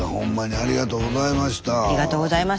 ありがとうございます。